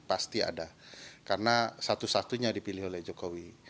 pasti ada karena satu satunya dipilih oleh jokowi